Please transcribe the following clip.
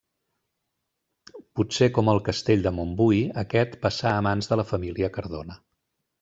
Potser com el castell de Montbui, aquest passà a mans de la família Cardona.